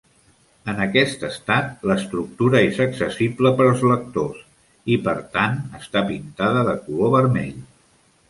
En aquest estat, l'estructura és accessible per als lectors i, per tant, està pintada de color vermell.